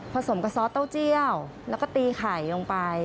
สมกับซอสเต้าเจียวแล้วก็ตีไข่ลงไป